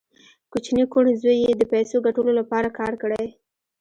کوچني کوڼ زوی یې د پیسو ګټلو لپاره کار کړی